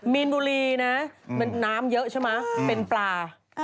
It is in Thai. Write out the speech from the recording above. มีนบุรีนะน้ำเยอะใช่ไหมเป็นปลา